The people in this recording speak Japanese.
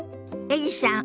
エリさん